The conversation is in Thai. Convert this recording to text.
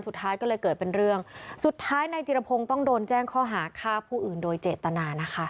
สุดท้ายก็เลยเกิดเป็นเรื่องสุดท้ายนายจิรพงศ์ต้องโดนแจ้งข้อหาฆ่าผู้อื่นโดยเจตนานะคะ